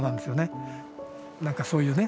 何かそういうね